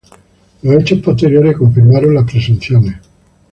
Los hechos posteriores confirmaron las presunciones.